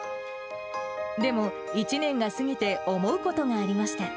でも、１年が過ぎて思うことがありました。